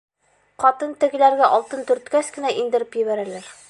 Ҡатын тегеләргә алтын төрткәс кенә индереп ебәрәләр.